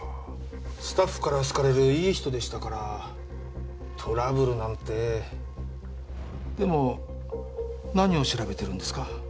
スタッフから好かれるいい人でしたからトラブルなんてでも何を調べてるんですか？